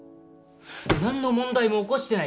何の問題も起こしてない